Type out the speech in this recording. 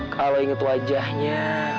kalau inget wajahnya